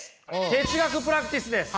哲学プラクティスです！